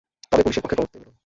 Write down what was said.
তবে পুলিশের পক্ষে করতে বলুন।